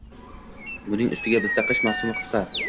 Buning ustiga bizda qish mavsumi qisqa